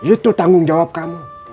itu tanggung jawab kamu